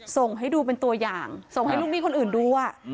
ส่งให้ดูเป็นตัวอย่างส่งให้ลูกหนี้คนอื่นดู